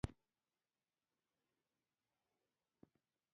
د ګوتو په شمېر خلک د کلتوري میراثونو په ارزښت پوهېږي.